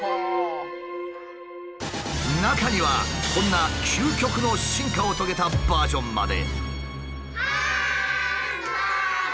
中にはこんな究極の進化を遂げたバージョンまで。